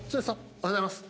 おはようございます。